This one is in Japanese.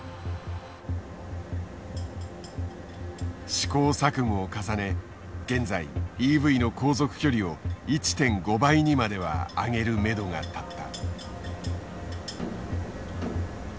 試行錯誤を重ね現在ＥＶの航続距離を１．５倍にまでは上げるめどが立った。